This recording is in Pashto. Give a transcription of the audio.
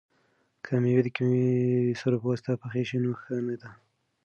که مېوه د کیمیاوي سرو په واسطه پخه شي نو ښه نه ده.